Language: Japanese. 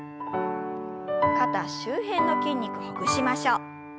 肩周辺の筋肉ほぐしましょう。